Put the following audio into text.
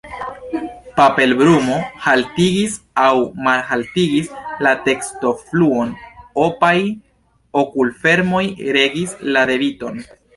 Palpebrumo haltigis aŭ malhaltigis la tekstofluon, opaj okulfermoj regis la debiton.